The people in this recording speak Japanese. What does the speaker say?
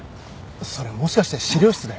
それもしかして資料室で？